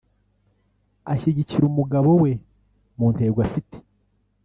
Ashyigikira umugabo we mu ntego afite